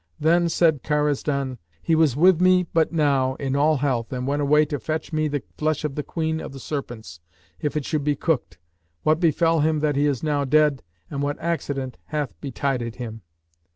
Then said Karazdan, "He was with me but now, in all health, and went away to fetch me the flesh of the Queen of the Serpents, if it should be cooked; what befell him that he is now dead, and what accident hath betided him?"